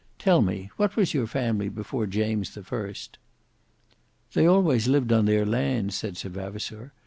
"Tell me, what was your family before James the First?" "They always lived on their lands," said Sir Vavasour.